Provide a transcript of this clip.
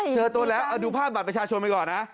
เจอตัวแล้วเอาดูภาพบัตรประชาชนไปก่อนนะ